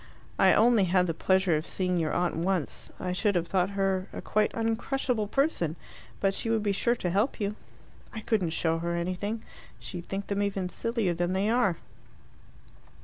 "I only had the pleasure of seeing your aunt once. I should have thought her a quite uncrushable person. But she would be sure to help you." "I couldn't show her anything. She'd think them even sillier than they are."